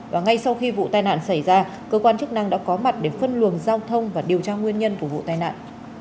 và ngay sau khi vụ tai nạn xảy ra cơ quan chức năng đã có mặt để phân luồng giao thông và điều tra nguyên nhân của vụ tai nạn